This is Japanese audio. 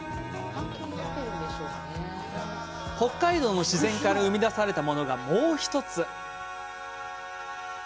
北海道の自然から生み出されたものがもう一つ。